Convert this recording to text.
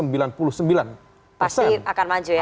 pasti akan maju ya